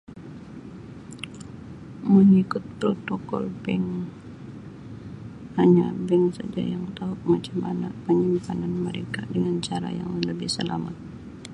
Mengikut protokol bank, hanya bank saja yang tahu macam mana penyimpanan mereka dengan cara yang lebih selamat.